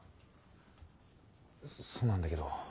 そうなんだけど。